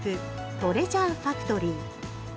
トレジャーファクトリー。